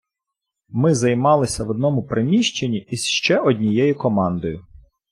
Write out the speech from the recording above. Ми займалися в одному приміщенні із ще однією командою.